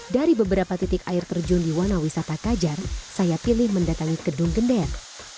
dari beberapa titik air terjun di wanawisata kajar saya pilih mendatangi gedung genden